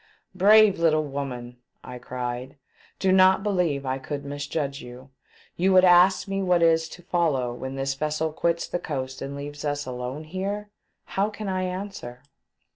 "Brave litde woman!" I cried, "do not believe I could misjudge you. You would ask me what is to follow when this vessel quits the coast and leaves us alone there ? How can I answer?